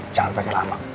jangan pakai lama